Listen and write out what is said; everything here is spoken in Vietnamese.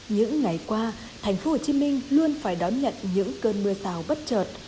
những ngày qua thành phố hồ chí minh luôn phải đón nhận những cơn mưa xào bất trợt